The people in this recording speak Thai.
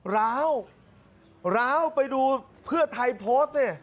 ราวไปดูเพื่อไทยโพสต์